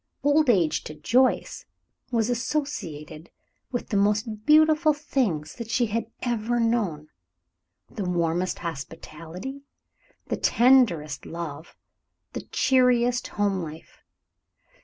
Old age, to Joyce, was associated with the most beautiful things that she had ever known: the warmest hospitality, the tenderest love, the cheeriest home life.